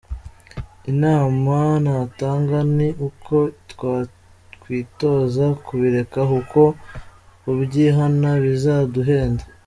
Inama natanga ni uko twakwitoza kubireka kuko kubyihana bizaduhenda.